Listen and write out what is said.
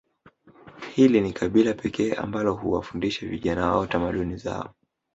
Hili ni kabila pekee ambalo huwafundisha vijana wao tamaduni zao